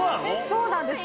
そうなんです。